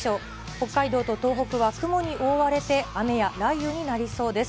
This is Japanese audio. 北海道と東北は雲に覆われて、雨や雷雨になりそうです。